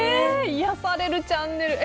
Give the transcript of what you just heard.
癒やされるチャンネル。